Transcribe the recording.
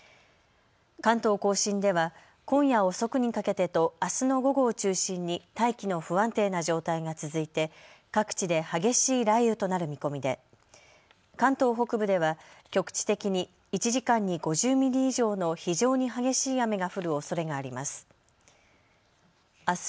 関東甲信では今夜遅くにかけてとあすの午後を中心に大気の不安定な状態が続いて各地で激しい雷雨となる見込みで関東北部では局地的に１時間に５０ミリ以上の非常に激しい雨が降るおそれがあります。